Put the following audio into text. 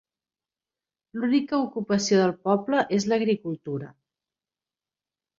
L'única ocupació del poble és l'agricultura.